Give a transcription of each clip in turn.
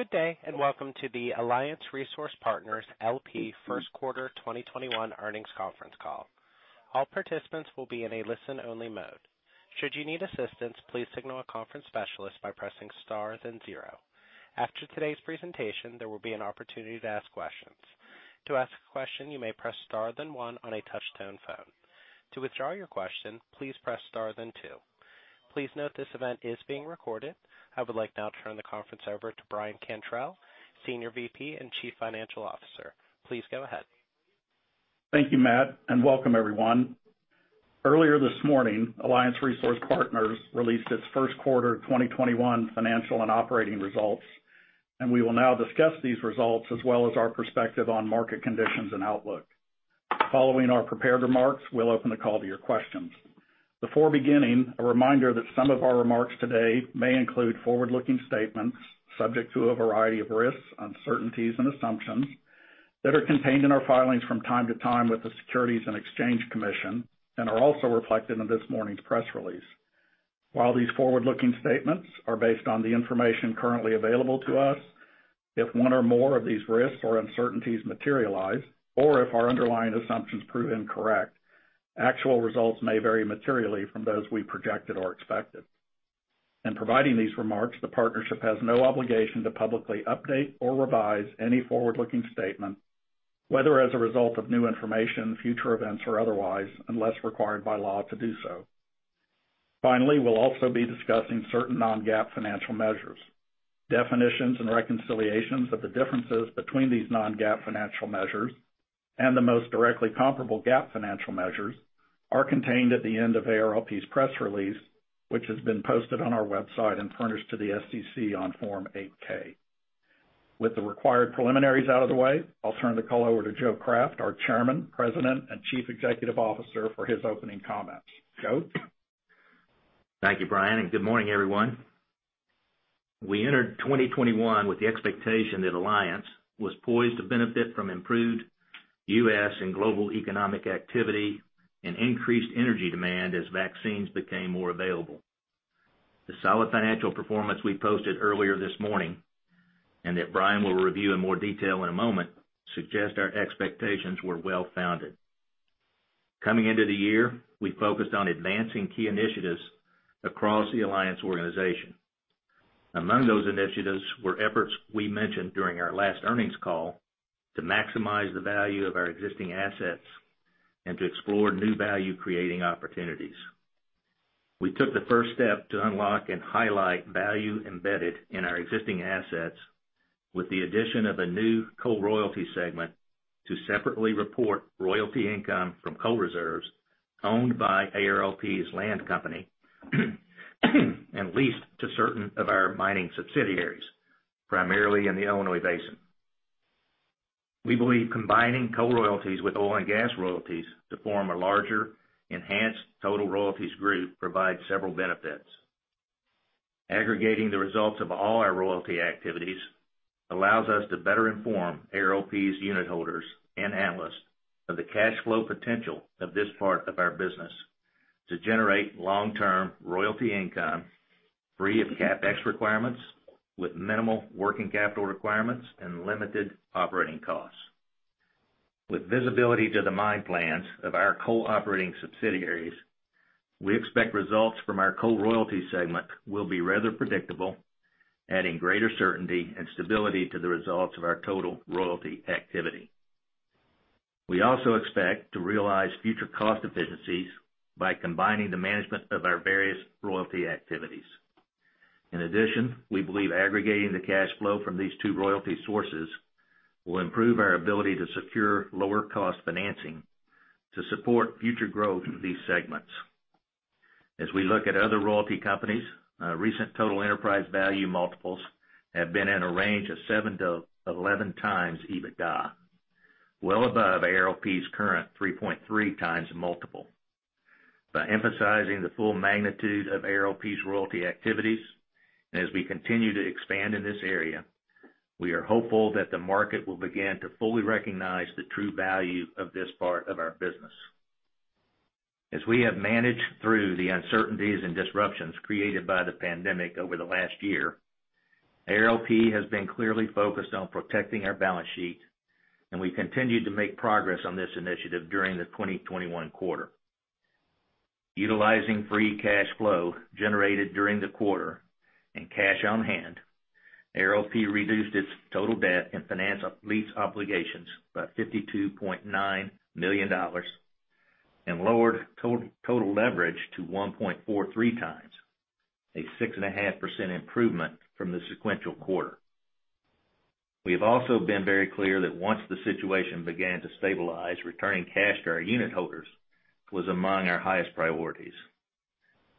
Good day, and welcome to the Alliance Resource Partners First Quarter 2021 Earnings Conference Call. I would like now to turn the conference over to Brian Cantrell, Senior VP and Chief Financial Officer. Please go ahead. Thank you, Matt, and welcome everyone. Earlier this morning, Alliance Resource Partners released its first quarter 2021 financial and operating results, and we will now discuss these results as well as our perspective on market conditions and outlook. Following our prepared remarks, we'll open the call to your questions. Before beginning, a reminder that some of our remarks today may include forward-looking statements subject to a variety of risks, uncertainties, and assumptions that are contained in our filings from time to time with the Securities and Exchange Commission and are also reflected in this morning's press release. While these forward-looking statements are based on the information currently available to us, if one or more of these risks or uncertainties materialize, or if our underlying assumptions prove incorrect, actual results may vary materially from those we projected or expected. In providing these remarks, the partnership has no obligation to publicly update or revise any forward-looking statement, whether as a result of new information, future events, or otherwise, unless required by law to do so. We'll also be discussing certain non-GAAP financial measures. Definitions and reconciliations of the differences between these non-GAAP financial measures and the most directly comparable GAAP financial measures are contained at the end of ARLP's press release, which has been posted on our website and furnished to the SEC on Form 8-K. With the required preliminaries out of the way, I'll turn the call over to Joe Craft, our Chairman, President, and Chief Executive Officer, for his opening comments. Joe? Thank you, Brian, and good morning, everyone. We entered 2021 with the expectation that Alliance was poised to benefit from improved U.S. and global economic activity and increased energy demand as vaccines became more available. The solid financial performance we posted earlier this morning, and that Brian will review in more detail in a moment, suggests our expectations were well-founded. Coming into the year, we focused on advancing key initiatives across the Alliance organization. Among those initiatives were efforts we mentioned during our last earnings call to maximize the value of our existing assets and to explore new value-creating opportunities. We took the first step to unlock and highlight value embedded in our existing assets with the addition of a new Coal Royalty segment to separately report royalty income from coal reserves owned by ARLP's land company and leased to certain of our mining subsidiaries, primarily in the Illinois Basin. We believe combining Coal Royalties with Oil & Gas Royalties to form a larger, enhanced total royalties group provides several benefits. Aggregating the results of all our royalty activities allows us to better inform ARLP's unitholders and analysts of the cash flow potential of this part of our business to generate long-term royalty income free of CapEx requirements, with minimal working capital requirements and limited operating costs. With visibility to the mine plans of our coal operating subsidiaries, we expect results from our Coal Royalty segment will be rather predictable, adding greater certainty and stability to the results of our total royalty activity. We also expect to realize future cost efficiencies by combining the management of our various royalty activities. In addition, we believe aggregating the cash flow from these two royalty sources will improve our ability to secure lower cost financing to support future growth in these segments. As we look at other royalty companies, recent total enterprise value multiples have been in a range of 7x to 11x EBITDA, well above ARLP's current 3.3x multiple. By emphasizing the full magnitude of ARLP's royalty activities, and as we continue to expand in this area, we are hopeful that the market will begin to fully recognize the true value of this part of our business. As we have managed through the uncertainties and disruptions created by the pandemic over the last year, ARLP has been clearly focused on protecting our balance sheet, and we continued to make progress on this initiative during the 2021 quarter. Utilizing free cash flow generated during the quarter and cash on hand, ARLP reduced its total debt and finance lease obligations by $52.9 million and lowered total leverage to 1.43x, a 6.5% improvement from the sequential quarter. We have also been very clear that once the situation began to stabilize, returning cash to our unitholders was among our highest priorities.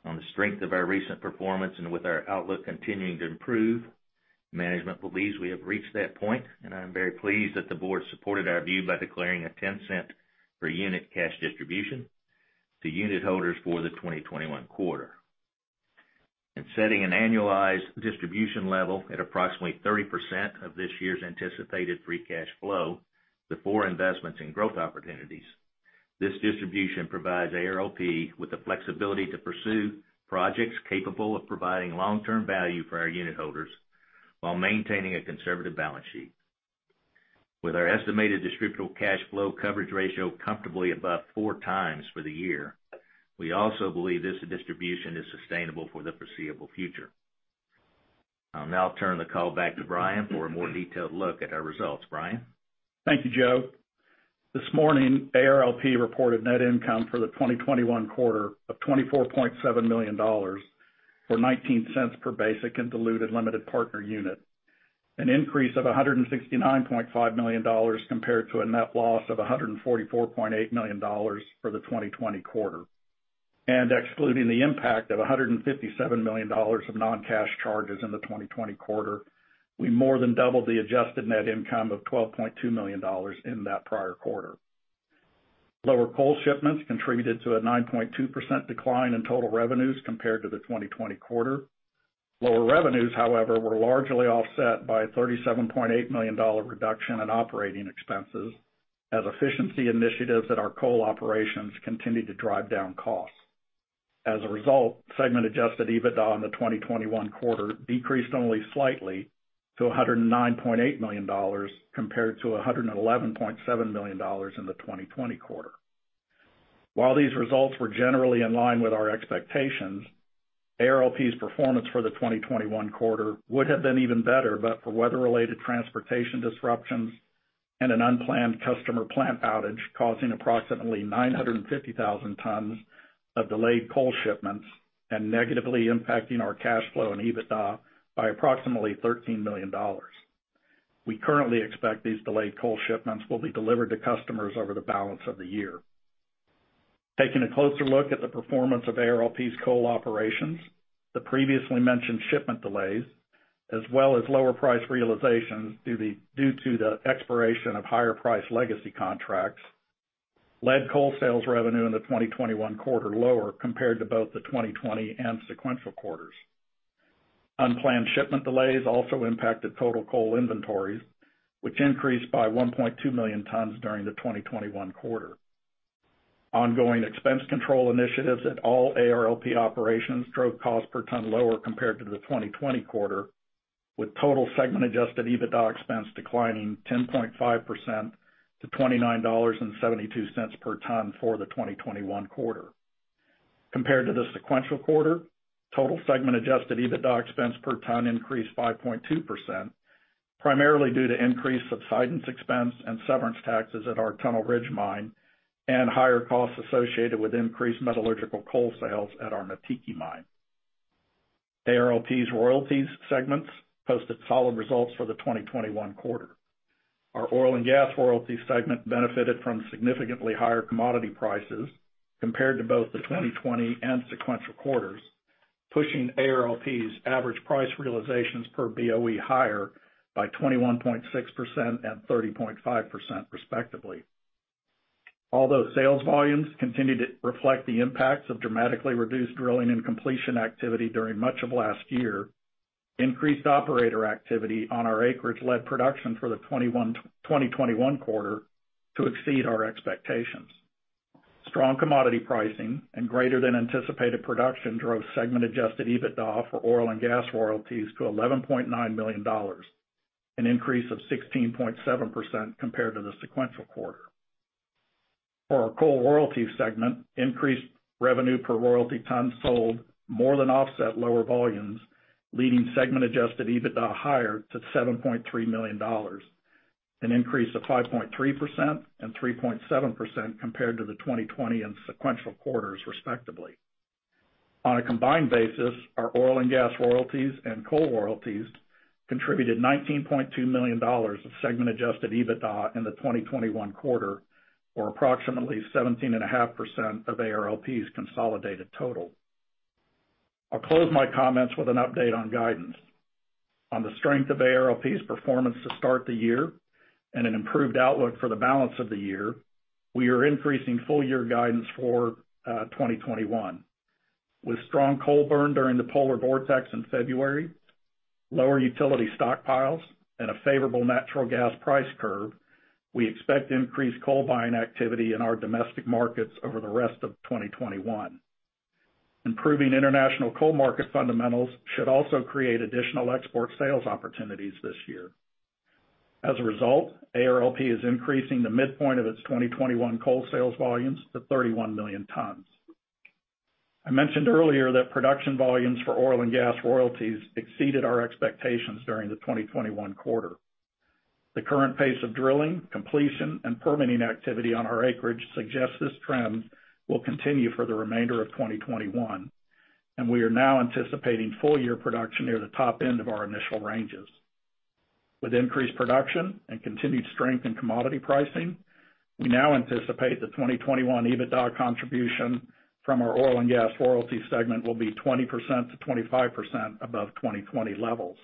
On the strength of our recent performance and with our outlook continuing to improve, management believes we have reached that point, and I am very pleased that the board supported our view by declaring a $0.10 per unit cash distribution to unitholders for the 2021 quarter. In setting an annualized distribution level at approximately 30% of this year's anticipated free cash flow before investments in growth opportunities. This distribution provides ARLP with the flexibility to pursue projects capable of providing long-term value for our unitholders while maintaining a conservative balance sheet. With our estimated distributable cash flow coverage ratio comfortably above 4x for the year, we also believe this distribution is sustainable for the foreseeable future. I'll now turn the call back to Brian for a more detailed look at our results. Brian? Thank you, Joe. This morning, ARLP reported net income for the 2021 quarter of $24.7 million, or $0.19 per basic and diluted limited partner unit, an increase of $169.5 million compared to a net loss of $144.8 million for the 2020 quarter. Excluding the impact of $157 million of non-cash charges in the 2020 quarter, we more than doubled the adjusted net income of $12.2 million in that prior quarter. Lower coal shipments contributed to a 9.2% decline in total revenues compared to the 2020 quarter. Lower revenues, however, were largely offset by a $37.8 million reduction in operating expenses as efficiency initiatives at our Coal Operations continued to drive down costs. As a result, segment adjusted EBITDA in the 2021 quarter decreased only slightly to $109.8 million compared to $111.7 million in the 2020 quarter. While these results were generally in line with our expectations, ARLP's performance for the 2021 quarter would have been even better, but for weather-related transportation disruptions and an unplanned customer plant outage causing approximately 950,000 tons of delayed coal shipments and negatively impacting our cash flow and EBITDA by approximately $13 million. We currently expect these delayed coal shipments will be delivered to customers over the balance of the year. Taking a closer look at the performance of ARLP's Coal Operations, the previously mentioned shipment delays, as well as lower price realizations due to the expiration of higher price legacy contracts, led Coal Sales revenue in the 2021 quarter lower compared to both the 2020 and sequential quarters. Unplanned shipment delays also impacted total coal inventories, which increased by 1.2 million tons during the 2021 quarter. Ongoing expense control initiatives at all ARLP operations drove cost per ton lower compared to the 2020 quarter, with total segment adjusted EBITDA expense declining 10.5% to $29.72 per ton for the 2021 quarter. Compared to the sequential quarter, total segment adjusted EBITDA expense per ton increased 5.2%, primarily due to increase subsidence expense and severance taxes at our Tunnel Ridge Mine and higher costs associated with increased metallurgical Coal Sales at our Mettiki mine. ARLP's royalties segments posted solid results for the 2021 quarter. Our Oil & Gas Royalties segment benefited from significantly higher commodity prices compared to both the 2020 and sequential quarters, pushing ARLP's average price realizations per BOE higher by 21.6% and 30.5% respectively. Although sales volumes continued to reflect the impacts of dramatically reduced drilling and completion activity during much of last year, increased operator activity on our acreage led production for the 2021 quarter to exceed our expectations. Strong commodity pricing and greater than anticipated production drove segment adjusted EBITDA for Oil & Gas Royalties to $11.9 million, an increase of 16.7% compared to the sequential quarter. For our Coal Royalty segment, increased revenue per royalty ton sold more than offset lower volumes, leading segment adjusted EBITDA higher to $7.3 million, an increase of 5.3% and 3.7% compared to the 2020 and sequential quarters, respectively. On a combined basis, our Oil & Gas Royalties and Coal Royalties contributed $19.2 million of segment adjusted EBITDA in the 2021 quarter, or approximately 17.5% of ARLP's consolidated total. I'll close my comments with an update on guidance. On the strength of ARLP's performance to start the year and an improved outlook for the balance of the year, we are increasing full year guidance for 2021. With strong coal burn during the Polar Vortex in February, lower utility stockpiles, and a favorable natural gas price curve, we expect increased coal buying activity in our domestic markets over the rest of 2021. Improving international coal market fundamentals should also create additional export sales opportunities this year. As a result, ARLP is increasing the midpoint of its 2021 Coal Sales volumes to 31 million tons. I mentioned earlier that production volumes for Oil & Gas Royalties exceeded our expectations during the 2021 quarter. The current pace of drilling, completion, and permitting activity on our acreage suggests this trend will continue for the remainder of 2021. We are now anticipating full year production near the top end of our initial ranges. With increased production and continued strength in commodity pricing, we now anticipate the 2021 EBITDA contribution from our Oil & Gas Royalty segment will be 20%-25% above 2020 levels.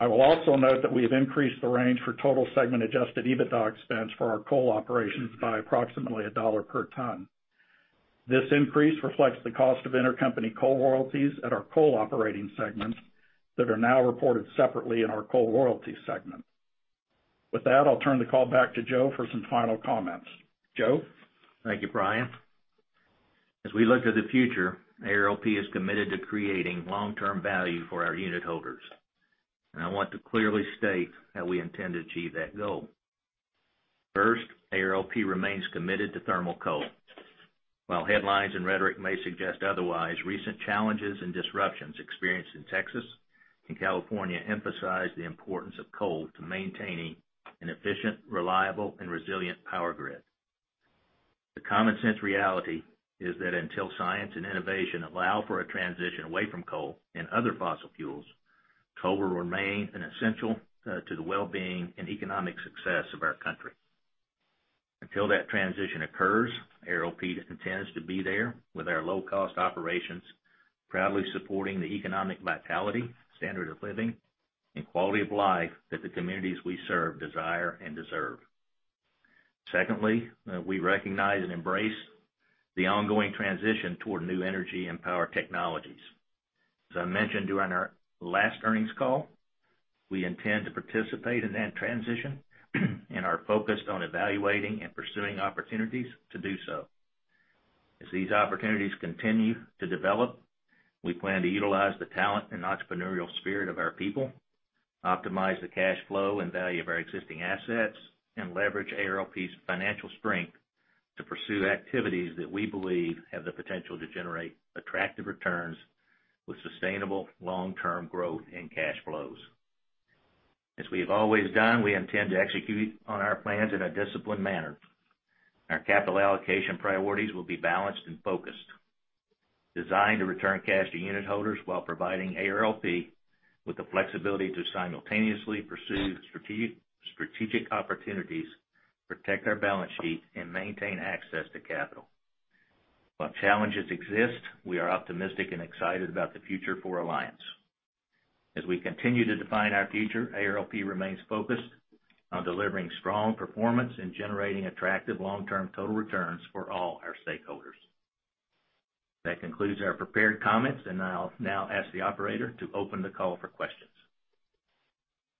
I will also note that we have increased the range for total segment adjusted EBITDA expense for our Coal Operations by approximately a dollar per ton. This increase reflects the cost of intercompany Coal Royalties at our coal operating segments that are now reported separately in our Coal Royalty segment. With that, I'll turn the call back to Joe for some final comments. Joe? Thank you, Brian. As we look to the future, ARLP is committed to creating long-term value for our unitholders, and I want to clearly state that we intend to achieve that goal. First, ARLP remains committed to thermal coal. While headlines and rhetoric may suggest otherwise, recent challenges and disruptions experienced in Texas and California emphasize the importance of coal to maintaining an efficient, reliable, and resilient power grid. The common sense reality is that until science and innovation allow for a transition away from coal and other fossil fuels, coal will remain an essential to the well-being and economic success of our country. Until that transition occurs, ARLP intends to be there with our low-cost operations, proudly supporting the economic vitality, standard of living, and quality of life that the communities we serve desire and deserve. Secondly, we recognize and embrace the ongoing transition toward new energy and power technologies. As I mentioned during our last earnings call, we intend to participate in that transition and are focused on evaluating and pursuing opportunities to do so. As these opportunities continue to develop, we plan to utilize the talent and entrepreneurial spirit of our people, optimize the cash flow and value of our existing assets, and leverage ARLP's financial strength to pursue activities that we believe have the potential to generate attractive returns with sustainable long-term growth in cash flows. As we have always done, we intend to execute on our plans in a disciplined manner. Our capital allocation priorities will be balanced and focused, designed to return cash to unitholders while providing ARLP with the flexibility to simultaneously pursue strategic opportunities, protect our balance sheet, and maintain access to capital. While challenges exist, we are optimistic and excited about the future for Alliance. As we continue to define our future, ARLP remains focused on delivering strong performance and generating attractive long-term total returns for all our stakeholders. That concludes our prepared comments, and I'll now ask the operator to open the call for questions.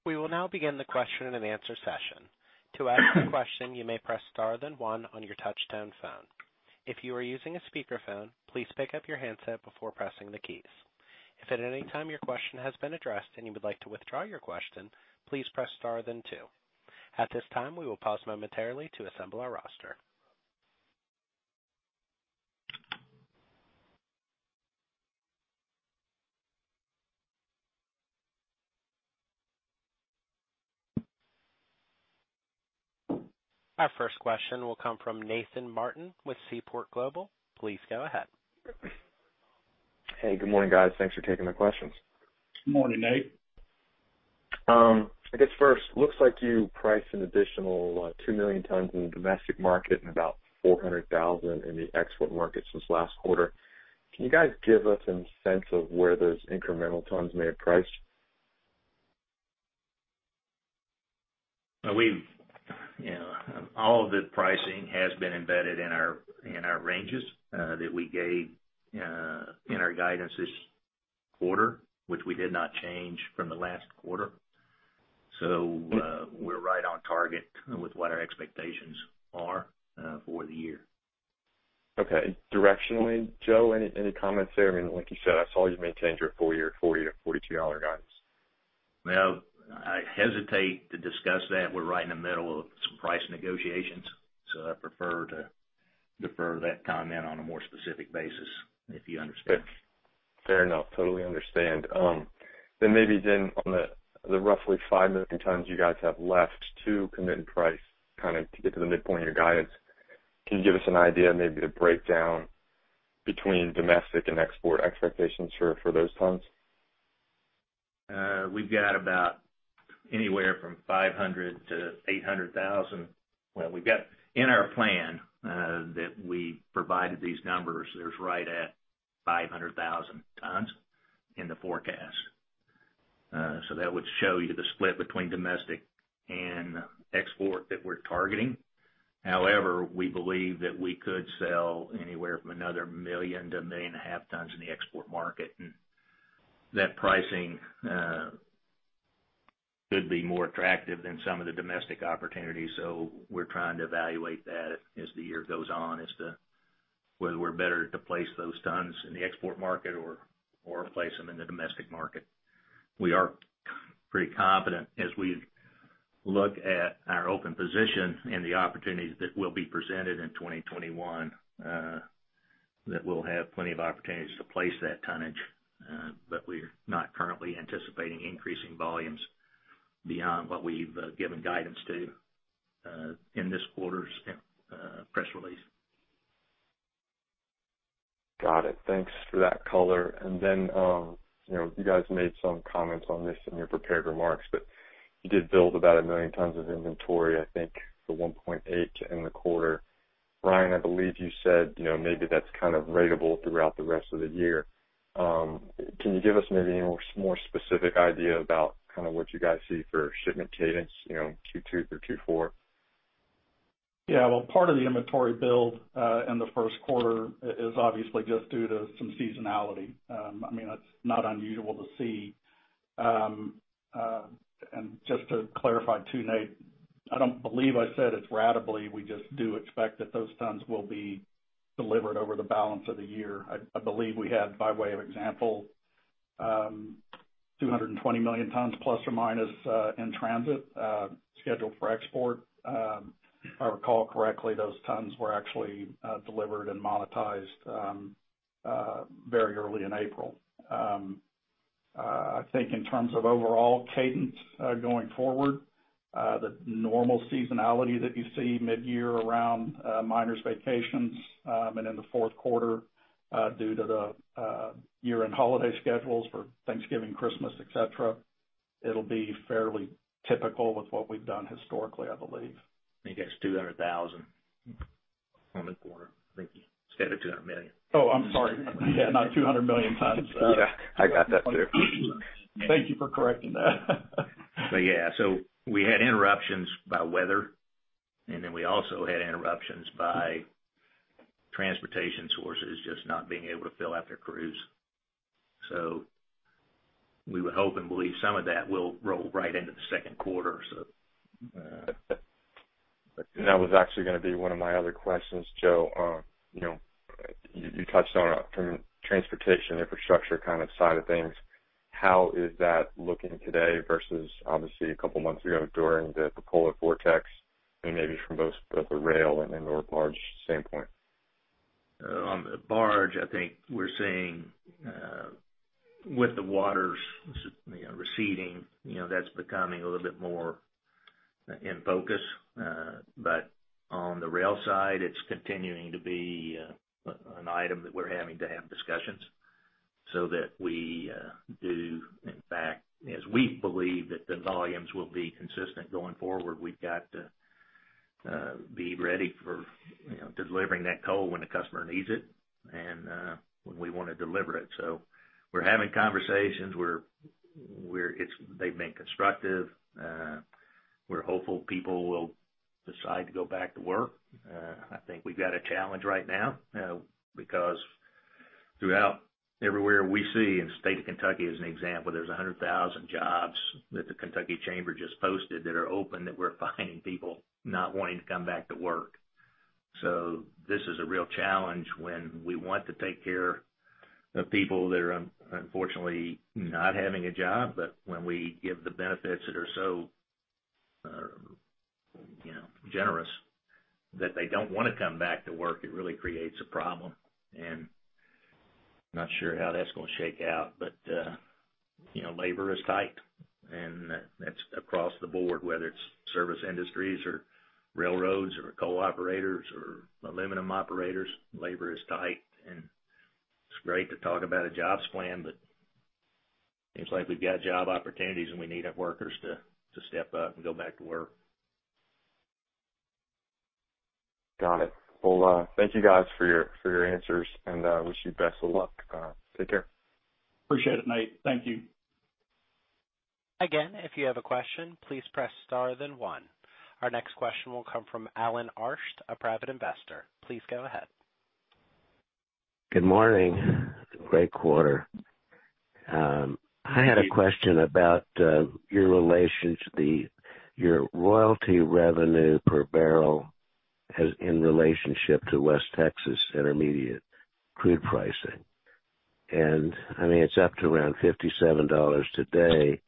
We will now begin the question and answer session. Our first question will come from Nathan Martin with Seaport Global. Please go ahead. Hey, good morning, guys. Thanks for taking the questions. Good morning, Nate. I guess first, looks like you priced an additional 2 million tons in the domestic market and about 400,000 in the export market since last quarter. Can you guys give us a sense of where those incremental tons may have priced? All of the pricing has been embedded in our ranges that we gave in our guidance this quarter, which we did not change from the last quarter. We're right on target with what our expectations are for the year. Okay. Directionally, Joe, any comments there? Like you said, I saw you maintained your full year $40-$42 guidance. I hesitate to discuss that. We're right in the middle of some price negotiations, so I prefer to defer that comment on a more specific basis, if you understand. Fair enough. Totally understand. Maybe then on the roughly 5 million tons you guys have left to commit in price, to get to the midpoint of your guidance, can you give us an idea, maybe a breakdown between domestic and export expectations for those tons? We've got about anywhere from 500,000-800,000. Well, we've got in our plan that we provided these numbers, there's right at 500,000 tons in the forecast. That would show you the split between domestic and export that we're targeting. However, we believe that we could sell anywhere from another 1 million tons-1.5 million tons in the export market. That pricing could be more attractive than some of the domestic opportunities. We're trying to evaluate that as the year goes on as to whether we're better to place those tons in the export market or place them in the domestic market. We are pretty confident as we look at our open position and the opportunities that will be presented in 2021, that we'll have plenty of opportunities to place that tonnage. We're not currently anticipating increasing volumes beyond what we've given guidance to in this quarter's press release. Got it. Thanks for that color. You guys made some comments on this in your prepared remarks, but you did build about 1 million tons of inventory, I think the 1.8 in the quarter. Brian, I believe you said maybe that's kind of ratable throughout the rest of the year. Can you give us maybe a more specific idea about what you guys see for shipment cadence in Q2 through Q4? Yeah. Well, part of the inventory build in the first quarter is obviously just due to some seasonality. It's not unusual to see. Just to clarify too, Nate, I don't believe I said it's ratably. We just do expect that those tons will be delivered over the balance of the year. I believe we had, by way of example, 220 million tons± in transit, scheduled for export. If I recall correctly, those tons were actually delivered and monetized very early in April. I think in terms of overall cadence going forward, the normal seasonality that you see mid-year around miners' vacations, and in the fourth quarter due to the year-end holiday schedules for Thanksgiving, Christmas, et cetera, it'll be fairly typical with what we've done historically, I believe. I think that's $200,000 on the quarter. I think you stated $200 million. Oh, I'm sorry. Yeah, not 200 million tons. Yeah, I got that too. Thank you for correcting that. Yeah. We had interruptions by weather, and then we also had interruptions by transportation sources just not being able to fill out their crews. We would hope and believe some of that will roll right into the second quarter. That was actually going to be one of my other questions, Joe. You touched on it from the transportation infrastructure side of things. How is that looking today versus obviously a couple of months ago during the Polar Vortex, and maybe from both the rail and the barge standpoint? On the barge, I think we're seeing with the waters receding, that's becoming a little bit more in focus. On the rail side, it's continuing to be an item that we're having to have discussions so that we do, in fact, as we believe that the volumes will be consistent going forward. We've got to be ready for delivering that coal when the customer needs it and when we want to deliver it. We're having conversations. They've been constructive. We're hopeful people will decide to go back to work. I think we've got a challenge right now because throughout everywhere we see, in the state of Kentucky as an example, there's 100,000 jobs that the Kentucky Chamber just posted that are open that we're finding people not wanting to come back to work. This is a real challenge when we want to take care of people that are unfortunately not having a job. When we give the benefits that are so generous that they don't want to come back to work, it really creates a problem. I'm not sure how that's going to shake out. Labor is tight, and that's across the board, whether it's service industries or railroads or coal operators or aluminum operators. Labor is tight, and it's great to talk about a jobs plan, but seems like we've got job opportunities, and we need workers to step up and go back to work. Got it. Thank you guys for your answers, and I wish you the best of luck. Take care. Appreciate it, Nate. Thank you. Again, if you have a question, please press star then one. Our next question will come from Alan Arsht, a private investor. Please go ahead. Good morning. Great quarter. I had a question about your royalty revenue per barrel in relationship to West Texas Intermediate crude pricing. It's up to around $57 today.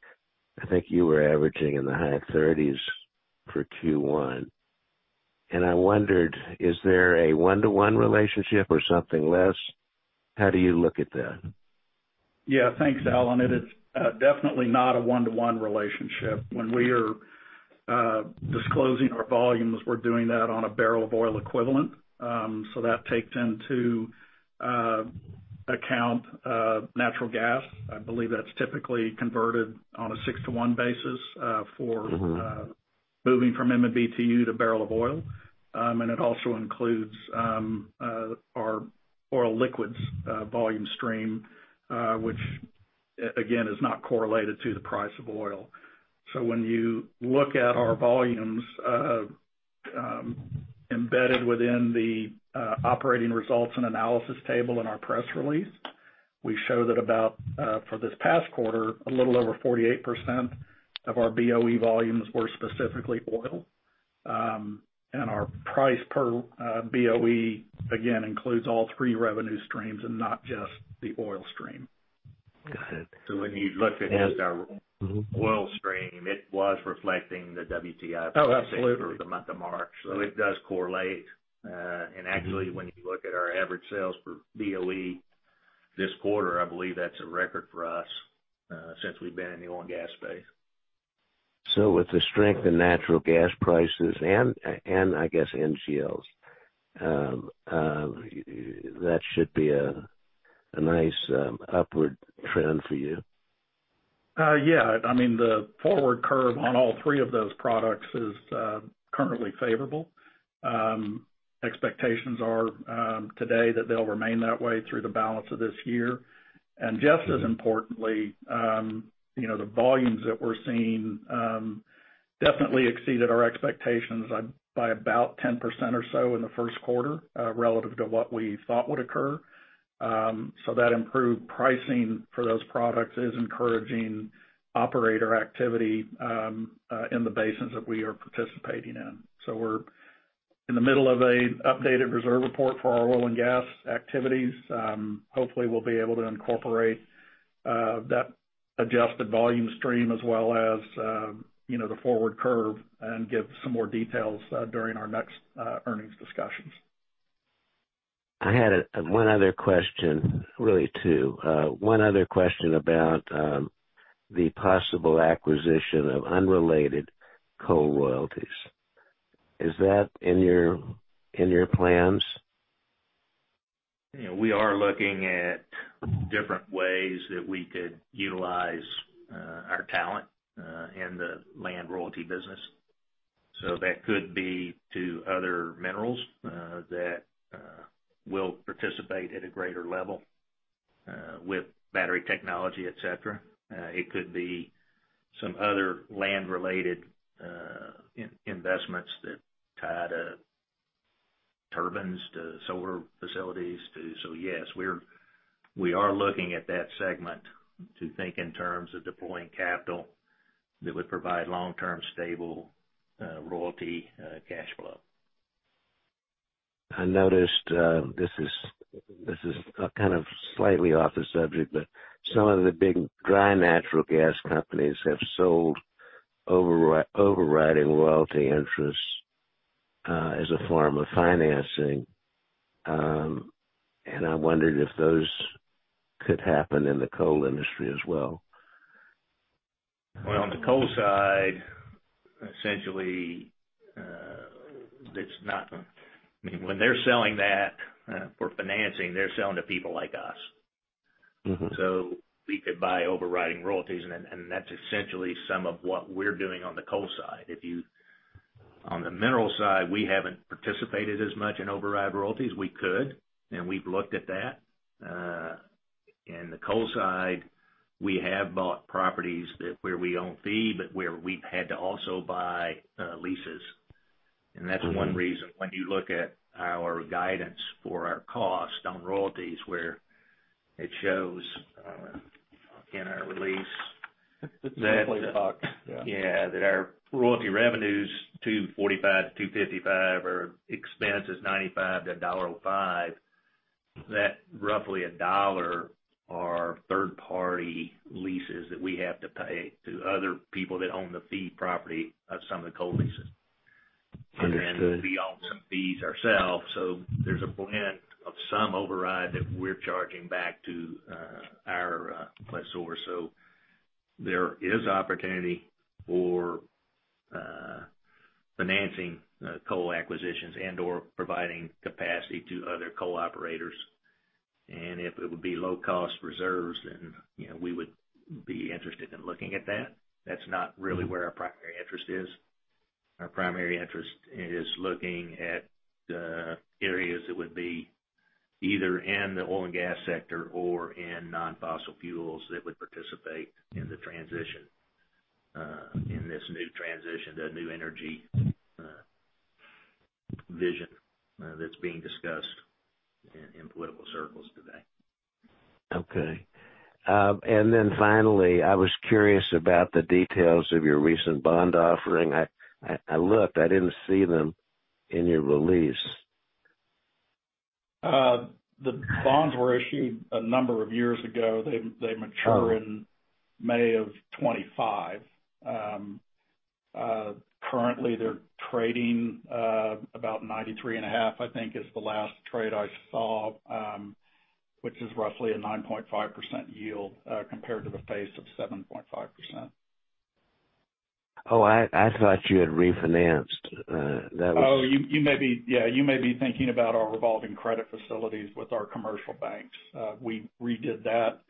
I think you were averaging in the high 30s for Q1. I wondered, is there a 1:1 relationship or something less? How do you look at that? Yeah. Thanks, Alan. It is definitely not a 1:1 relationship. When we are disclosing our volumes, we're doing that on a barrel of oil equivalent. That takes into account natural gas. I believe that's typically converted on a 6:1 basis for moving from MMBtu to barrel of oil. It also includes our oil liquids volume stream, which again, is not correlated to the price of oil. When you look at our volumes embedded within the operating results and analysis table in our press release, we show that about, for this past quarter, a little over 48% of our BOE volumes were specifically oil. Our price per BOE, again, includes all three revenue streams and not just the oil stream. Got it. When you look at just our oil stream, it was reflecting the WTI price. Oh, absolutely. for the month of March. It does correlate. Actually, when you look at our average sales per BOE this quarter, I believe that's a record for us since we've been in the oil and gas space. With the strength in natural gas prices and I guess NGLs, that should be a nice upward trend for you. Yeah. The forward curve on all three of those products is currently favorable. Expectations are today that they'll remain that way through the balance of this year. Just as importantly, the volumes that we're seeing definitely exceeded our expectations by about 10% or so in the first quarter relative to what we thought would occur. That improved pricing for those products is encouraging operator activity in the basins that we are participating in. We're in the middle of an updated reserve report for our oil and gas activities. Hopefully, we'll be able to incorporate that adjusted volume stream as well as the forward curve and give some more details during our next earnings discussions. I had one other question, really two. One other question about the possible acquisition of unrelated Coal Royalties. Is that in your plans? We are looking at different ways that we could utilize our talent in the land royalty business. That could be to other minerals that will participate at a greater level with battery technology, et cetera. It could be some other land-related investments that tie to turbines, to solar facilities. Yes, we are looking at that segment to think in terms of deploying capital that would provide long-term stable royalty cash flow. I noticed, this is kind of slightly off the subject, but some of the big dry natural gas companies have sold overriding royalty interests as a form of financing. I wondered if those could happen in the coal industry as well. Well, on the coal side, essentially, when they're selling that for financing, they're selling to people like us. We could buy overriding royalties, and that's essentially some of what we're doing on the coal side. On the mineral side, we haven't participated as much in override royalties. We could, and we've looked at that. In the coal side, we have bought properties where we own fee, but where we've had to also buy leases. That's one reason when you look at our guidance for our cost on royalties, where it shows in our release. It's a play of puck, yeah. yeah, that our royalty revenue's $2.45-$2.55 or expense is $0.95-$1.05, that roughly a dollar are third-party leases that we have to pay to other people that own the fee property of some of the coal leases. Understood. Then we own some fees ourselves, so there's a blend of some override that we're charging back to our lessor. There is opportunity for financing coal acquisitions and/or providing capacity to other coal operators. If it would be low-cost reserves then we would be interested in looking at that. That's not really where our primary interest is. Our primary interest is looking at areas that would be either in the oil and gas sector or in non-fossil fuels that would participate in the transition, in this new transition, the new energy vision that's being discussed in political circles today. Okay. Finally, I was curious about the details of your recent bond offering. I looked, I didn't see them in your release. The bonds were issued a number of years ago. They mature in May of 2025. Currently, they're trading about 93.5, I think is the last trade I saw, which is roughly a 9.5% yield compared to the face of 7.5%. Oh, I thought you had refinanced. You may be thinking about our revolving credit facilities with our commercial banks. We redid that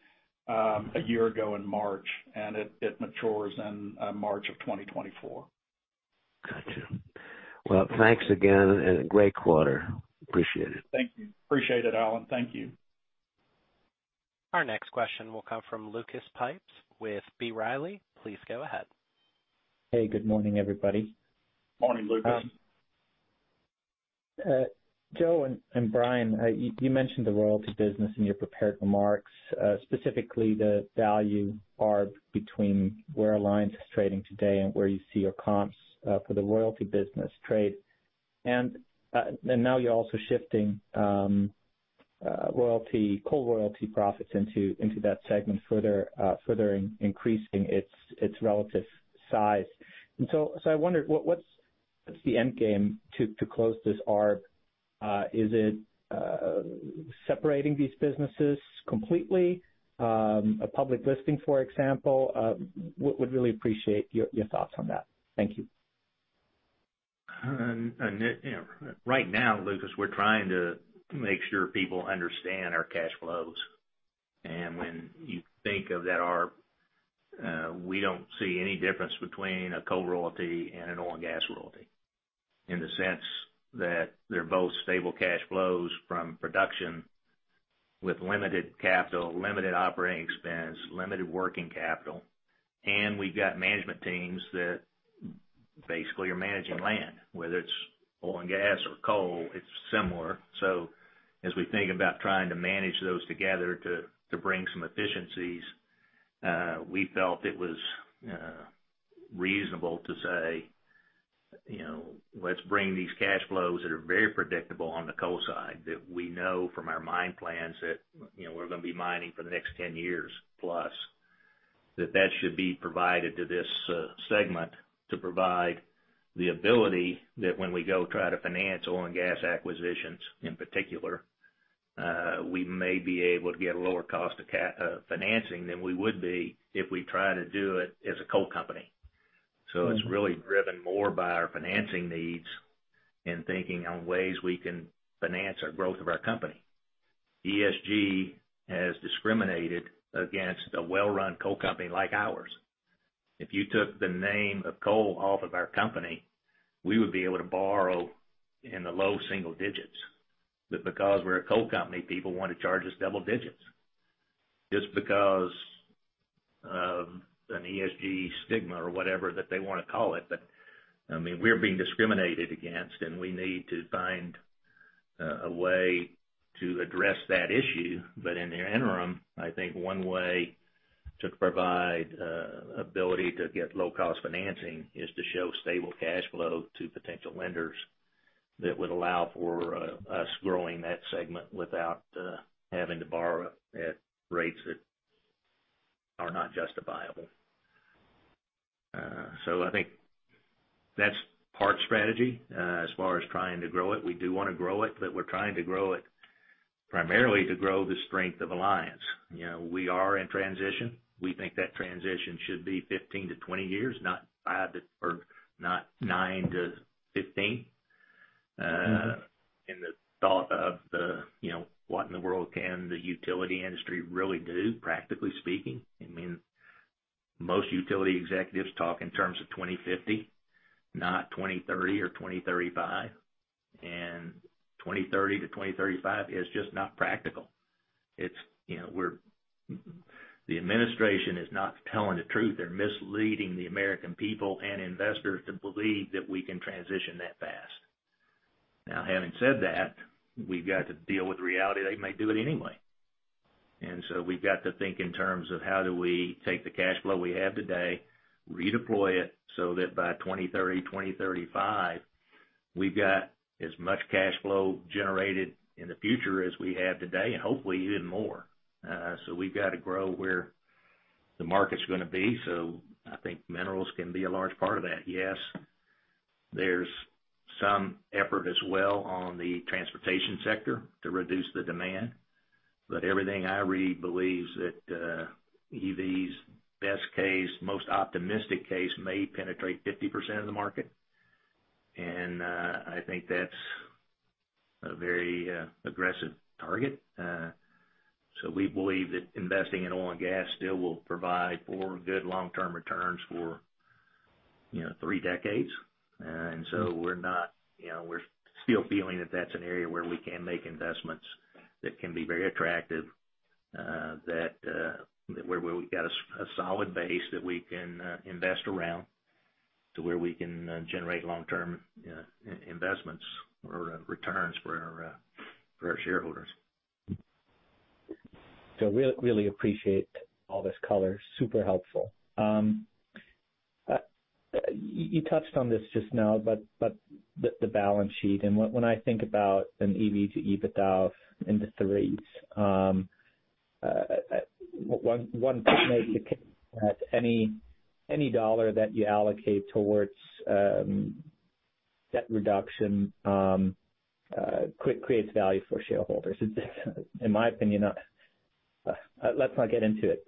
a year ago in March, and it matures in March of 2024. Got you. Well, thanks again and great quarter. Appreciate it. Thank you. Appreciate it, Alan. Thank you. Our next question will come from Lucas Pipes with B. Riley. Please go ahead. Hey, good morning, everybody. Morning, Lucas. Joe and Brian, you mentioned the royalty business in your prepared remarks, specifically the value arb between where Alliance is trading today and where you see your comps for the royalty business trade. Now you're also shifting coal royalty profits into that segment, further increasing its relative size. I wondered, what's the end game to close this arb? Is it separating these businesses completely? A public listing, for example? Would really appreciate your thoughts on that. Thank you. Right now, Lucas, we're trying to make sure people understand our cash flows. When you think of that, we don't see any difference between a Coal Royalty and an Oil & Gas Royalty, in the sense that they're both stable cash flows from production with limited capital, limited operating expense, limited working capital. We've got management teams that basically are managing land, whether it's oil and gas or coal, it's similar. As we think about trying to manage those together to bring some efficiencies, we felt it was reasonable to say, let's bring these cash flows that are very predictable on the coal side that we know from our mine plans that we're going to be mining for the next 10 years+, that that should be provided to this segment to provide the ability that when we go try to finance oil and gas acquisitions in particular, we may be able to get lower cost of financing than we would be if we try to do it as a coal company. ESG has discriminated against a well-run coal company like ours. If you took the name of coal off of our company, we would be able to borrow in the low single digits. Because we're a coal company, people want to charge us double digits just because of an ESG stigma or whatever that they want to call it. We're being discriminated against, and we need to find a way to address that issue. In the interim, I think one way to provide ability to get low-cost financing is to show stable cash flow to potential lenders that would allow for us growing that segment without having to borrow at rates that are not justifiable. I think that's part strategy as far as trying to grow it. We do want to grow it, but we're trying to grow it primarily to grow the strength of Alliance. We are in transition. We think that transition should be 15-20 years, or not 9-15. In the thought of what in the world can the utility industry really do, practically speaking? Most utility executives talk in terms of 2050, not 2030 or 2035. 2030-2035 is just not practical. The administration is not telling the truth. They're misleading the American people and investors to believe that we can transition that fast. Now, having said that, we've got to deal with reality. They may do it anyway. We've got to think in terms of how do we take the cash flow we have today, redeploy it so that by 2030, 2035, we've got as much cash flow generated in the future as we have today, and hopefully even more. We've got to grow where the market's going to be. I think minerals can be a large part of that, yes. There's some effort as well on the transportation sector to reduce the demand. Everything I read believes that EVs best case, most optimistic case, may penetrate 50% of the market. I think that's a very aggressive target. We believe that investing in oil and gas still will provide for good long-term returns for three decades. We're still feeling that that's an area where we can make investments that can be very attractive, where we've got a solid base that we can invest around to where we can generate long-term investments or returns for our shareholders. Really appreciate all this color. Super helpful. You touched on this just now, but the balance sheet, and when I think about an EV to EBITDA in the threes, one could make the case that any dollar that you allocate towards debt reduction creates value for shareholders. In my opinion. Let's not get into it.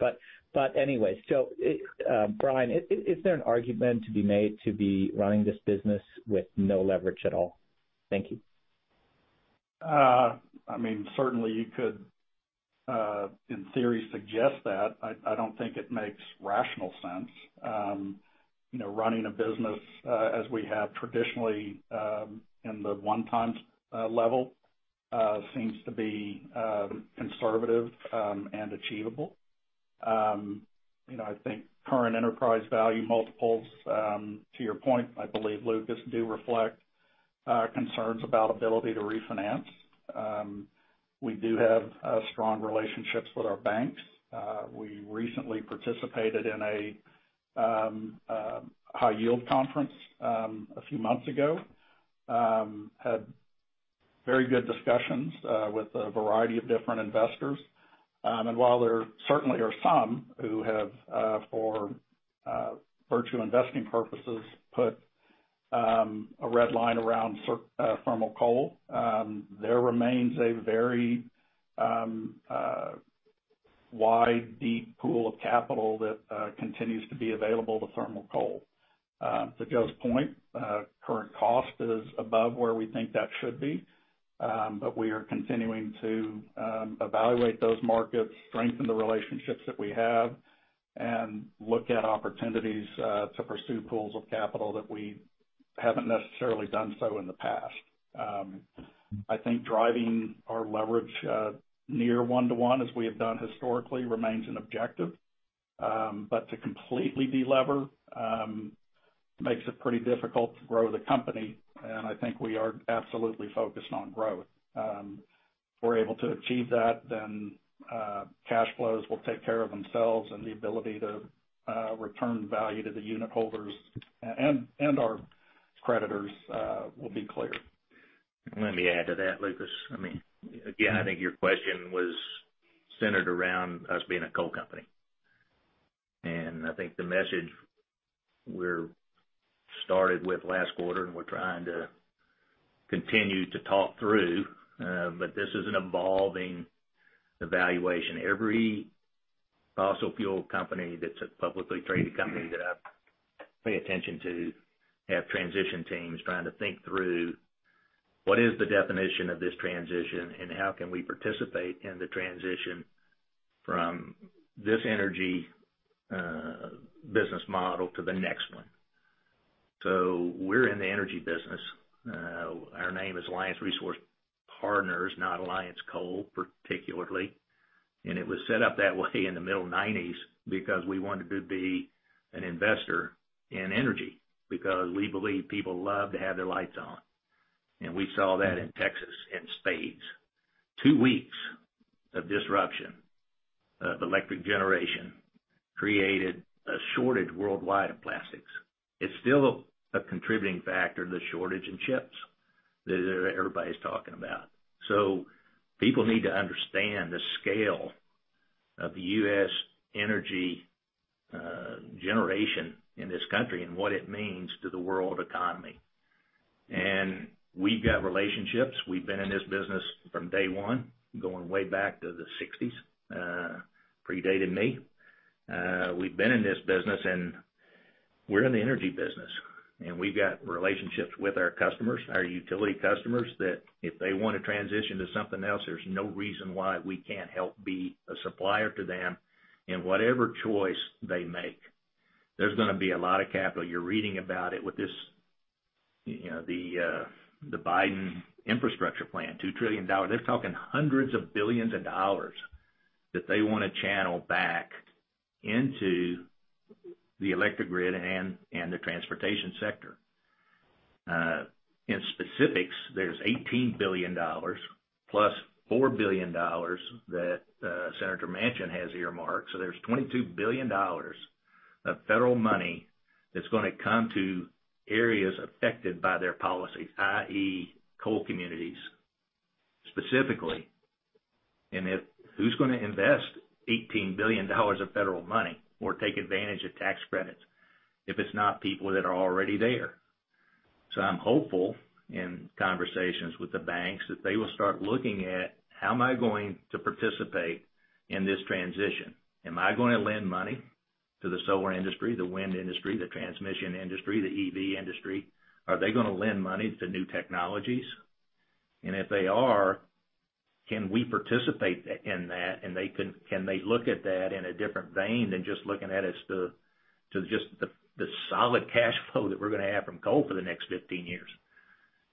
Brian, is there an argument to be made to be running this business with no leverage at all? Thank you. Certainly you could, in theory, suggest that. I don't think it makes rational sense. Running a business as we have traditionally, in the 1x level, seems to be conservative and achievable. I think current enterprise value multiples, to your point, I believe, Lucas, do reflect concerns about ability to refinance. We do have strong relationships with our banks. We recently participated in a high yield conference a few months ago. We had very good discussions with a variety of different investors. While there certainly are some who have, for virtual investing purposes, put a red line around thermal coal, there remains a very wide, deep pool of capital that continues to be available to thermal coal. To Joe's point, current cost is above where we think that should be. We are continuing to evaluate those markets, strengthen the relationships that we have, and look at opportunities to pursue pools of capital that we haven't necessarily done so in the past. I think driving our leverage near 1:1 as we have done historically remains an objective. To completely delever makes it pretty difficult to grow the company, and I think we are absolutely focused on growth. If we're able to achieve that, then cash flows will take care of themselves and the ability to return value to the unitholders and our creditors will be clear. Let me add to that, Lucas. I think your question was centered around us being a coal company, and I think the message we started with last quarter and we're trying to continue to talk through. This is an evolving evaluation. Every fossil fuel company that's a publicly traded company that I pay attention to have transition teams trying to think through what is the definition of this transition and how can we participate in the transition from this energy business model to the next one. We're in the energy business. Our name is Alliance Resource Partners, not Alliance Coal, particularly. It was set up that way in the middle 1990s because we wanted to be an investor in energy because we believe people love to have their lights on. We saw that in Texas in spades. Two weeks of disruption of electric generation created a shortage worldwide of plastics. It's still a contributing factor to the shortage in chips that everybody's talking about. People need to understand the scale of the U.S. energy generation in this country and what it means to the world economy. We've got relationships. We've been in this business from day one, going way back to the 1960s, predated me. We've been in this business, and we're in the energy business, and we've got relationships with our customers, our utility customers, that if they want to transition to something else, there's no reason why we can't help be a supplier to them in whatever choice they make. There's going to be a lot of capital. You're reading about it with the Biden infrastructure plan, $2 trillion. They're talking hundreds of billions of dollars that they want to channel back into the electric grid and the transportation sector. In specifics, there's $18 billion+$4 billion that Senator Manchin has earmarked. There's $22 billion of federal money that's going to come to areas affected by their policies, i.e., coal communities specifically. Who's going to invest $18 billion of federal money or take advantage of tax credits if it's not people that are already there? I'm hopeful in conversations with the banks that they will start looking at how am I going to participate in this transition? Am I going to lend money to the solar industry, the wind industry, the transmission industry, the EV industry? Are they going to lend money to new technologies? If they are, can we participate in that? Can they look at that in a different vein than just looking at it as to just the solid cash flow that we're going to have from coal for the next 15 years.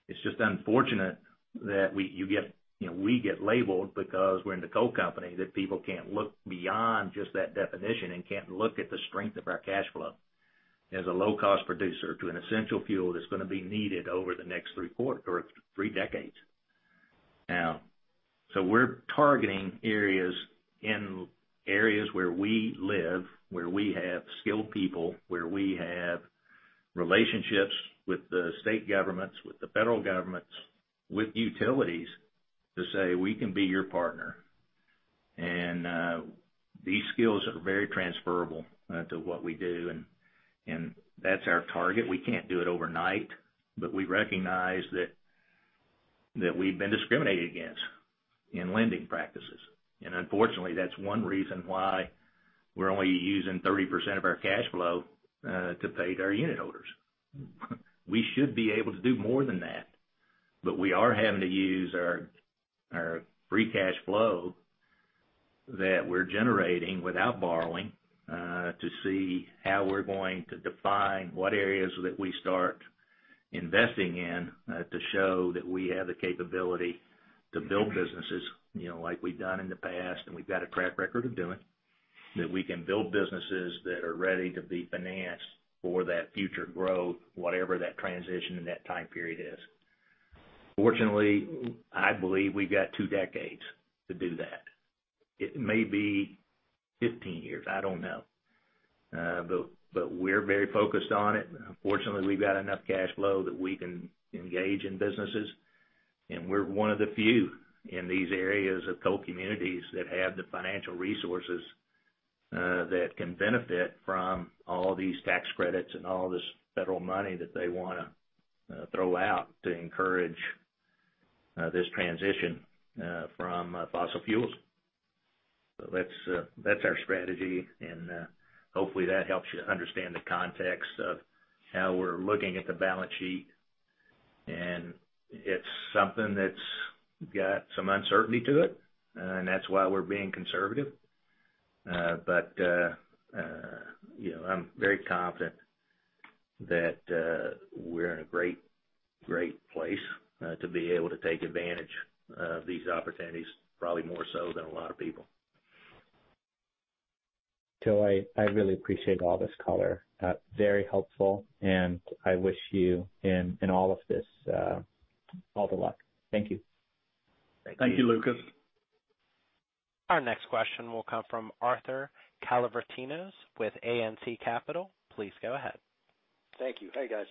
It's just unfortunate that we get labeled because we're in the coal company that people can't look beyond just that definition and can't look at the strength of our cash flow as a low-cost producer to an essential fuel that's going to be needed over the next three decades. Now, we're targeting areas in areas where we live, where we have skilled people, where we have relationships with the state governments, with the federal governments, with utilities to say, "We can be your partner." These skills are very transferable to what we do, and that's our target. We can't do it overnight, we recognize that we've been discriminated against in lending practices. Unfortunately, that's one reason why we're only using 30% of our cash flow to pay our unitholders. We should be able to do more than that, but we are having to use our free cash flow that we're generating without borrowing to see how we're going to define what areas that we start investing in to show that we have the capability to build businesses, like we've done in the past, and we've got a track record of doing. That we can build businesses that are ready to be financed for that future growth, whatever that transition in that time period is. Fortunately, I believe we've got two decades to do that. It may be 15 years, I don't know. We're very focused on it, and fortunately, we've got enough cash flow that we can engage in businesses, and we're one of the few in these areas of coal communities that have the financial resources that can benefit from all these tax credits and all this federal money that they want to throw out to encourage this transition from fossil fuels. That's our strategy, and hopefully that helps you understand the context of how we're looking at the balance sheet. It's something that's got some uncertainty to it, and that's why we're being conservative. I'm very confident that we're in a great place to be able to take advantage of these opportunities, probably more so than a lot of people. Joe, I really appreciate all this color. Very helpful, and I wish you, in all of this, all the luck. Thank you. Thank you. Thank you, Lucas. Our next question will come from Arthur Calavritinos with ANC Capital. Please go ahead. Thank you. Hey, guys.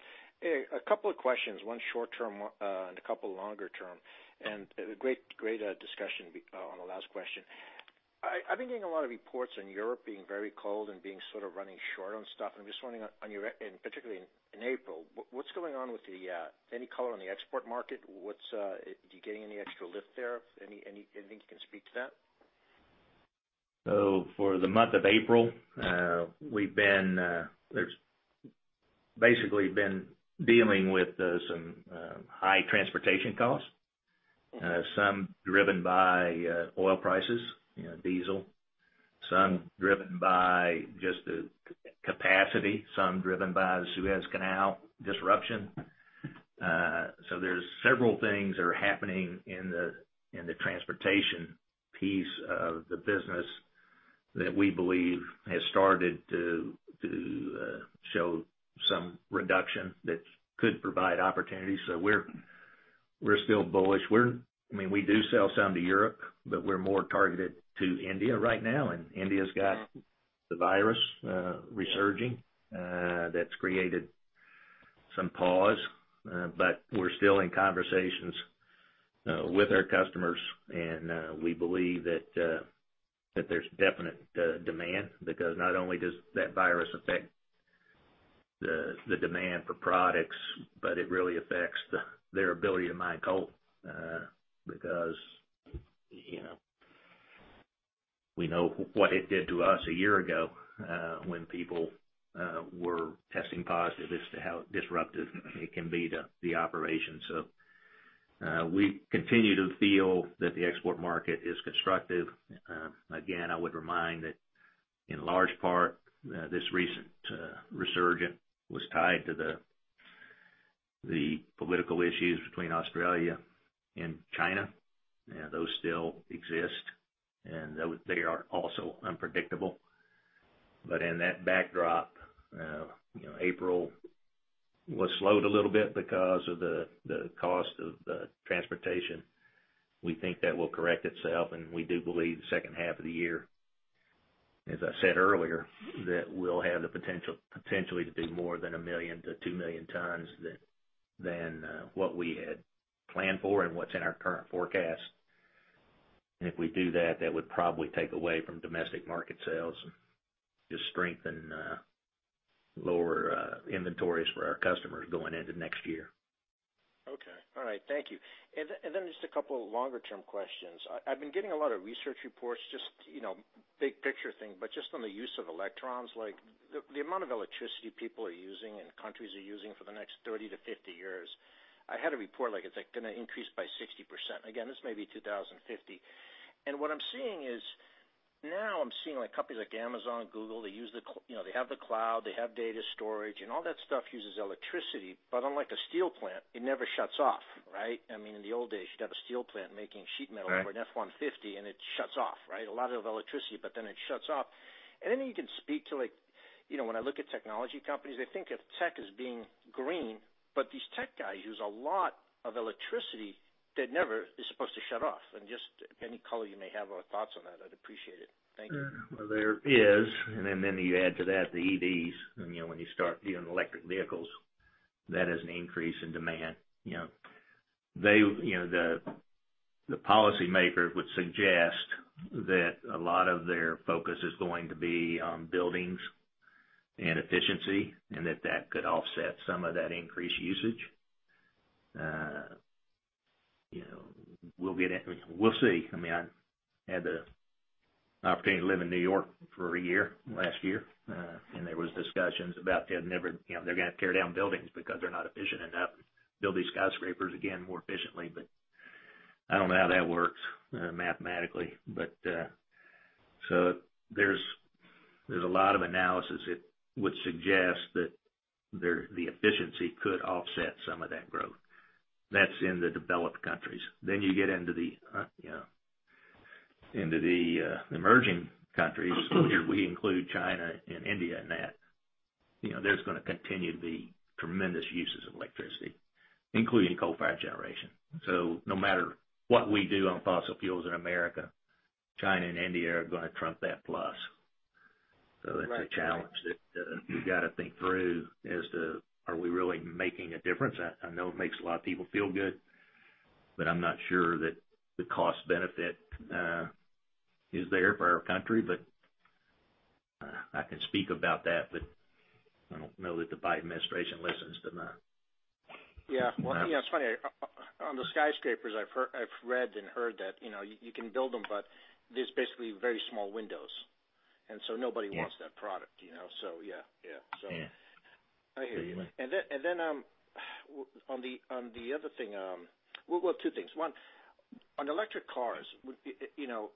A couple of questions, one short term, a couple longer term. Great discussion on the last question. I've been getting a lot of reports on Europe being very cold and being sort of running short on stuff. I'm just wondering, particularly in April, what's going on with any color on the export market? You getting any extra lift there? Anything you can speak to that? For the month of April, we've basically been dealing with some high transportation costs. Some driven by oil prices, diesel. Some driven by just the capacity. Some driven by the Suez Canal disruption. There's several things that are happening in the transportation piece of the business that we believe has started to show some reduction that could provide opportunities. We're still bullish. We do sell some to Europe, but we're more targeted to India right now, and India's got the virus resurging. That's created some pause. We're still in conversations with our customers, and we believe that there's definite demand because not only does that virus affect the demand for products, but it really affects their ability to mine coal because we know what it did to us a year ago when people were testing positive as to how disruptive it can be to the operation. We continue to feel that the export market is constructive. Again, I would remind that in large part, this recent resurgence was tied to the political issues between Australia and China. Those still exist, and they are also unpredictable. In that backdrop, April was slowed a little bit because of the cost of the transportation. We think that will correct itself, and we do believe the second half of the year, as I said earlier, that we'll have the potential to be more than a million to 2 million tons than what we had planned for and what's in our current forecast. If we do that would probably take away from domestic market sales and just strengthen lower inventories for our customers going into next year. Okay. All right. Thank you. Then just a couple longer-term questions. I've been getting a lot of research reports, just big picture thing, but just on the use of electrons. The amount of electricity people are using and countries are using for the next 30-50 years. I had a report like it's going to increase by 60%. Again, this may be 2050. What I'm seeing is now I'm seeing companies like Amazon, Google, they have the cloud, they have data storage, and all that stuff uses electricity. Unlike a steel plant, it never shuts off, right? In the old days, you'd have a steel plant making sheet metal- Right An F-150, and it shuts off, right? A lot of electricity, it shuts off. You can speak to when I look at technology companies, they think of tech as being green, but these tech guys use a lot of electricity that never is supposed to shut off. Just any color you may have or thoughts on that, I'd appreciate it. Thank you. There is, then you add to that the EVs, when you start dealing with electric vehicles, that is an increase in demand. The policymakers would suggest that a lot of their focus is going to be on buildings and efficiency, that that could offset some of that increased usage. We'll see. I had the opportunity to live in New York for a year last year. There was discussions about they're going to tear down buildings because they're not efficient enough, build these skyscrapers again more efficiently, I don't know how that works mathematically. There's a lot of analysis that would suggest that the efficiency could offset some of that growth. That's in the developed countries. You get into the emerging countries. If we include China and India in that, there's going to continue to be tremendous uses of electricity, including coal-fired generation. No matter what we do on fossil fuels in America, China and India are going to trump that plus. Right. That's a challenge that we've got to think through as to are we really making a difference? I know it makes a lot of people feel good, but I'm not sure that the cost benefit is there for our country. I can speak about that, but I don't know that the Biden administration listens to me. Yeah. Well, it's funny, on the skyscrapers, I've read and heard that you can build them, but there's basically very small windows, and so nobody wants that product. Yeah. Yeah. I hear you, man. Well, two things. One, on electric cars, what is 5%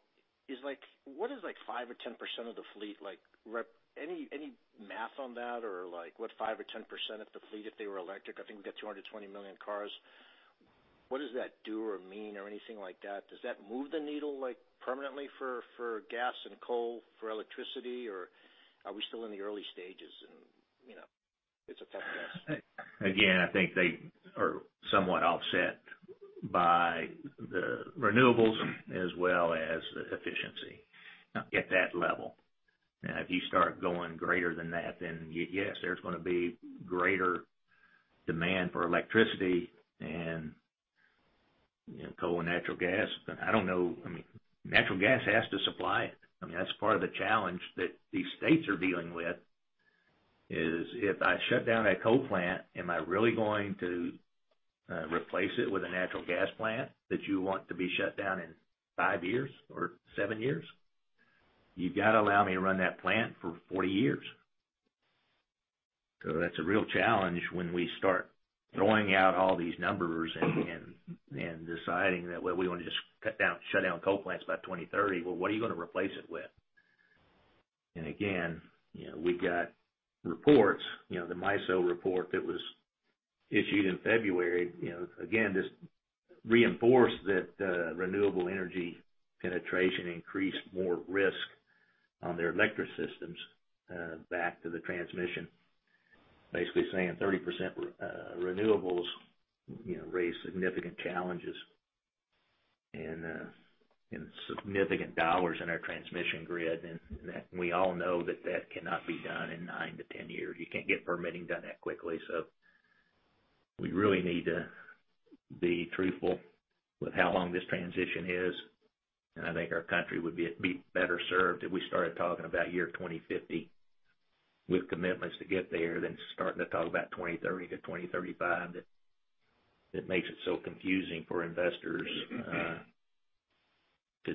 or 10% of the fleet? Any math on that or what 5% or 10% of the fleet if they were electric? I think we've got 220 million cars. What does that do or mean or anything like that? Does that move the needle permanently for gas and coal, for electricity, or are we still in the early stages and its effect on gas? Again, I think they are somewhat offset by the renewables as well as the efficiency at that level. If you start going greater than that, yes, there's going to be greater demand for electricity and coal and natural gas. I don't know. Natural gas has to supply it. That's part of the challenge that these states are dealing with is if I shut down a coal plant, am I really going to replace it with a natural gas plant that you want to be shut down in five years or seven years? You've got to allow me to run that plant for 40 years. That's a real challenge when we start throwing out all these numbers and deciding that, well, we want to just shut down coal plants by 2030. Well, what are you going to replace it with? Again, we've got reports. The MISO report that was issued in February, again, just reinforced that renewable energy penetration increased more risk on their electric systems back to the transmission. Basically saying 30% renewables raise significant challenges and significant dollars in our transmission grid, and we all know that that cannot be done in 9-10 years. You can't get permitting done that quickly. We really need to be truthful with how long this transition is, and I think our country would be better served if we started talking about year 2050 with commitments to get there than starting to talk about 2030-2035. That makes it so confusing for investors to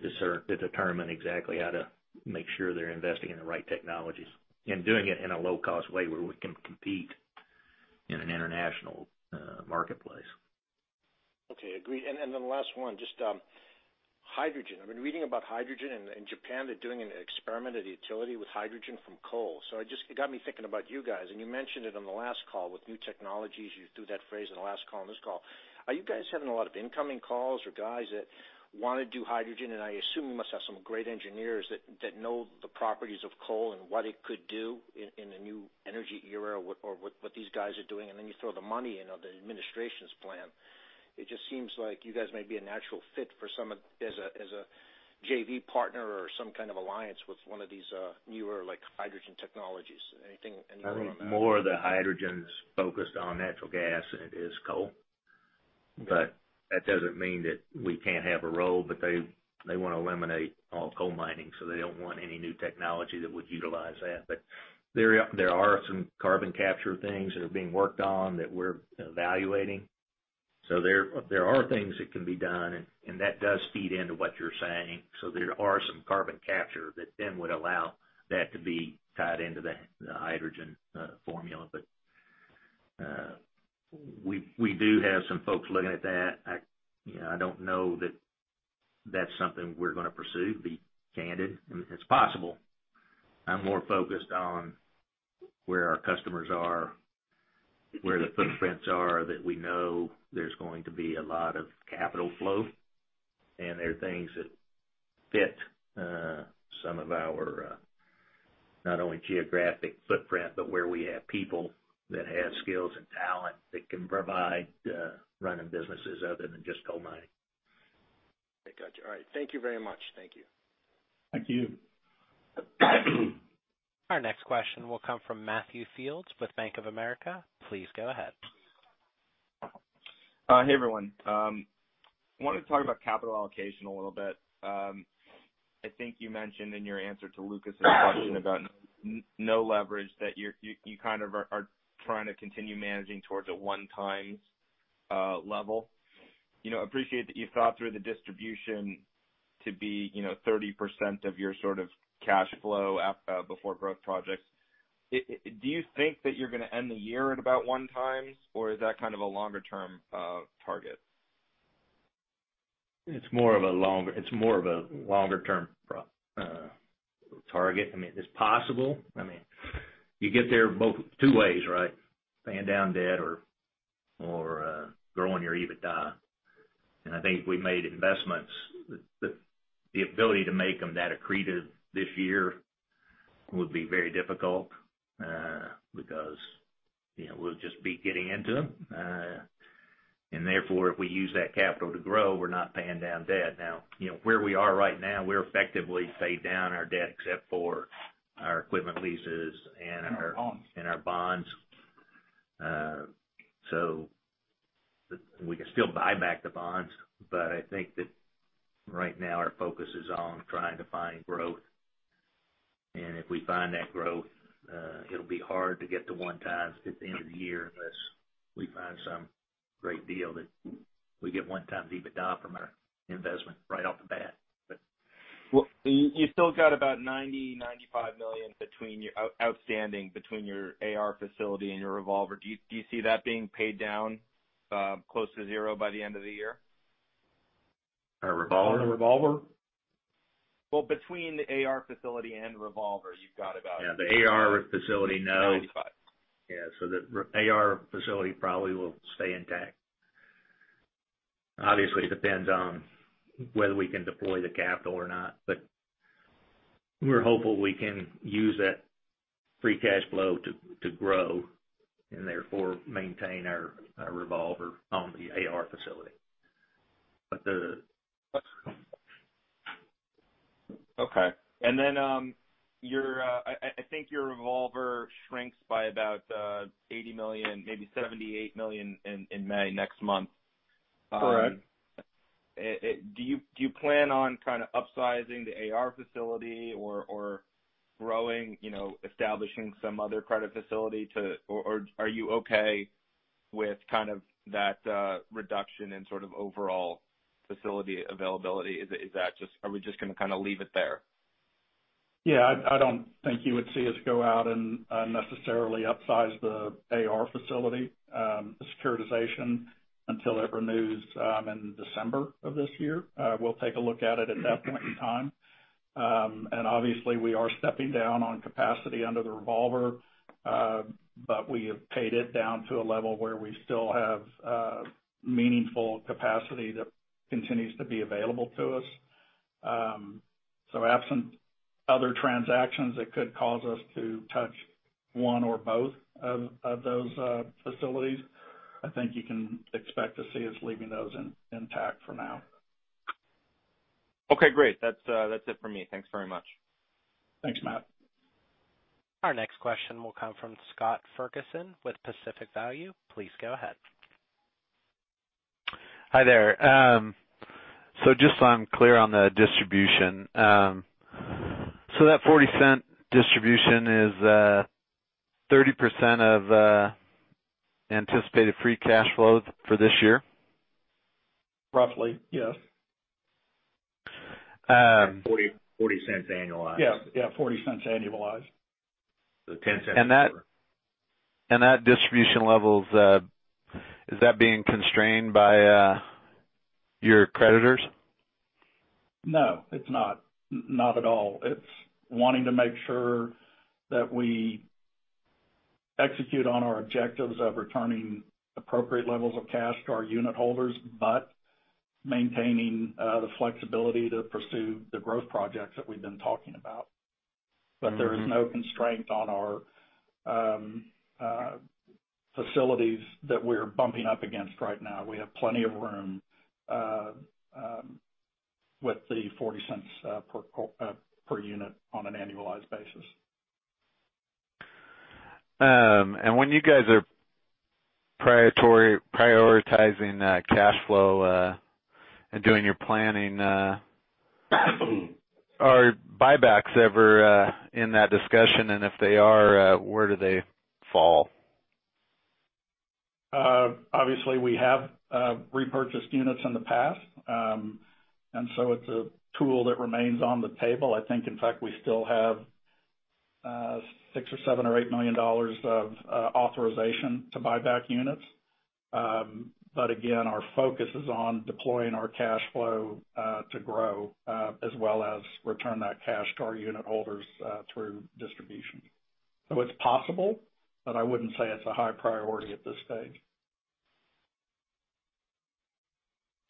determine exactly how to make sure they're investing in the right technologies and doing it in a low-cost way where we can compete in an international marketplace. Okay, agreed. Then the last one, just hydrogen. I've been reading about hydrogen. In Japan, they're doing an experiment at a utility with hydrogen from coal. It got me thinking about you guys, and you mentioned it on the last call with new technologies. You threw that phrase on the last call, on this call. Are you guys having a lot of incoming calls or guys that want to do hydrogen? I assume you must have some great engineers that know the properties of coal and what it could do in a new energy era or what these guys are doing, and then you throw the money in of the administration's plan. It just seems like you guys may be a natural fit as a JV partner or some kind of alliance with one of these newer hydrogen technologies. Anything on that? I think more of the hydrogen's focused on natural gas than it is coal. That doesn't mean that we can't have a role. They want to eliminate all coal mining, so they don't want any new technology that would utilize that. There are some carbon capture things that are being worked on that we're evaluating. There are things that can be done, and that does feed into what you're saying. There are some carbon capture that then would allow that to be tied into the hydrogen formula. We do have some folks looking at that. I don't know that that's something we're going to pursue, to be candid. I mean, it's possible. I'm more focused on where our customers are, where the footprints are that we know there's going to be a lot of capital flow, and they're things that fit some of our not only geographic footprint, but where we have people that have skills and talent that can provide running businesses other than just coal mining. Got you. All right. Thank you very much. Thank you. Thank you. Our next question will come from Matthew Fields with Bank of America. Please go ahead. Hey, everyone. I wanted to talk about capital allocation a little bit. I think you mentioned in your answer to Lucas's question about no leverage that you kind of are trying to continue managing towards a one times level. Appreciate that you thought through the distribution to be 30% of your sort of cash flow before growth projects. Do you think that you're going to end the year at about 1x, or is that kind of a longer-term target? It's more of a longer-term target. It's possible. You get there two ways. Paying down debt or growing your EBITDA. I think we made investments. The ability to make them that accretive this year would be very difficult because we'll just be getting into them. Therefore, if we use that capital to grow, we're not paying down debt. Now, where we are right now, we effectively paid down our debt except for our equipment leases in our bonds. We can still buy back the bonds, but I think that right now our focus is on trying to find growth. If we find that growth, it'll be hard to get to 1x at the end of the year unless we find some great deal that we get 1x EBITDA from our investment right off the bat. Well, you still got about $90 million-$95 million outstanding between your AR facility and your revolver. Do you see that being paid down close to zero by the end of the year? Our revolver? On the revolver. Well, between the AR facility and revolver, you've got about. Yeah, the AR facility, no. 95. The AR facility probably will stay intact. Obviously, it depends on whether we can deploy the capital or not. We're hopeful we can use that free cash flow to grow and therefore maintain our revolver on the AR facility. Okay. Then, I think your revolver shrinks by about $80 million, maybe $78 million in May next month. Correct. Do you plan on kind of upsizing the AR facility or growing, establishing some other credit facility to or are you okay with kind of that reduction in sort of overall facility availability? Are we just going to kind of leave it there? Yeah, I don't think you would see us go out and unnecessarily upsize the AR facility, the securitization, until it renews in December of this year. We'll take a look at it at that point in time. Obviously, we are stepping down on capacity under the revolver. We have paid it down to a level where we still have meaningful capacity that continues to be available to us. Absent other transactions that could cause us to touch one or both of those facilities, I think you can expect to see us leaving those intact for now. Okay, great. That's it for me. Thanks very much. Thanks, Matt. Our next question will come from Scott Ferguson with Pacific Value. Please go ahead. Hi there. Just so I'm clear on the distribution. That $0.40 distribution is 30% of anticipated free cash flow for this year? Roughly, yes. $0.40 annualized. Yeah. $0.40 annualized. $0.10 quarter. That distribution level, is that being constrained by your creditors? No, it's not. Not at all. It's wanting to make sure that we execute on our objectives of returning appropriate levels of cash to our unitholders, but maintaining the flexibility to pursue the growth projects that we've been talking about. There is no constraint on our facilities that we're bumping up against right now. We have plenty of room with the $0.40 per unit on an annualized basis. When you guys are prioritizing cash flow and doing your planning, are buybacks ever in that discussion? If they are, where do they fall? Obviously, we have repurchased units in the past. It's a tool that remains on the table. I think, in fact, we still have $6 million, $7 million of authorization to buy back units. Again, our focus is on deploying our cash flow to grow, as well as return that cash to our unitholders through distribution. It's possible, but I wouldn't say it's a high priority at this stage.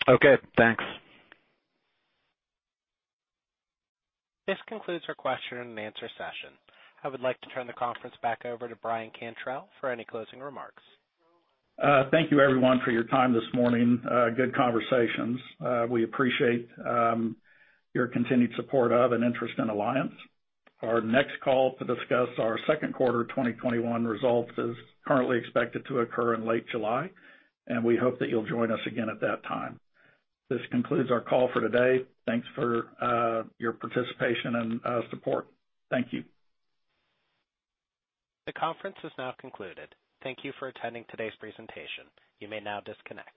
Okay, thanks. This concludes our question and answer session. I would like to turn the conference back over to Brian Cantrell for any closing remarks. Thank you everyone for your time this morning. Good conversations. We appreciate your continued support of and interest in Alliance. Our next call to discuss our second quarter 2021 results is currently expected to occur in late July, and we hope that you'll join us again at that time. This concludes our call for today. Thanks for your participation and support. Thank you. The conference is now concluded. Thank you for attending today's presentation. You may now disconnect.